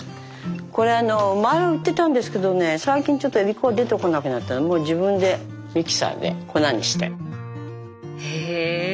これあの前は売ってたんですけどね最近ちょっとえび粉が出てこなくなったらもう自分でミキサーで粉にして。へ。